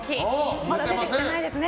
まだ出てきてないですね。